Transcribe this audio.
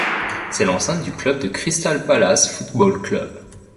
C'est l'enceinte du club de Crystal Palace Football Club.